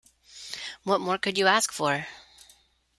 What more could you ask for?